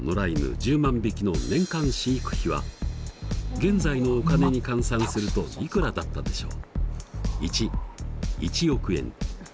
１０万匹の年間飼育費は現在のお金に換算するといくらだったでしょう？